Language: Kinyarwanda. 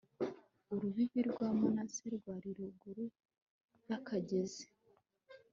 urubibi rwa manase rwari ruguru y'akagezi